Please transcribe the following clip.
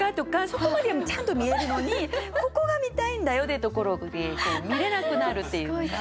そこまではちゃんと見えるのにここが見たいんだよってところで見れなくなるっていうのが。